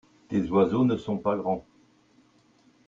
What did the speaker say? tes oiseaux ne sont pas grands.